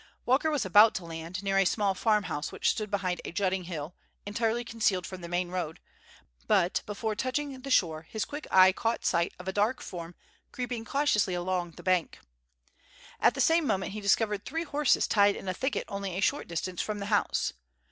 Walker was about to land, near a small farm house which stood behind a jutting hill, entirely concealed from the main road, but before touching the shore, his quick eye caught sight of a dark form creeping cautiously along the bank. At the same moment he discovered three horses tied in a thicket only a short distance from the house.